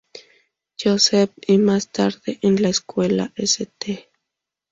Joseph y más tarde, en la escuela St.